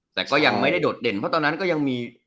แต่ก็ยังไม่ได้โดดเด่นเพราะตอนนั้นก็ยังมี